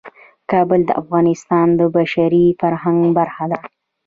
کابل د افغانستان د بشري فرهنګ برخه ده.